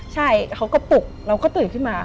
ใช่เขาก็ปลุกเราก็ตื่นขึ้นมา